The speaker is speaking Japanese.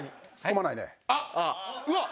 うわっ！